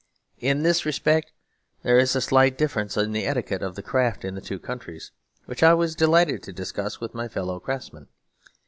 In this respect, there is a slight difference in the etiquette of the craft in the two countries, which I was delighted to discuss with my fellow craftsmen.